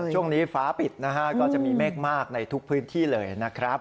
ฟ้าปิดนะฮะก็จะมีเมฆมากในทุกพื้นที่เลยนะครับ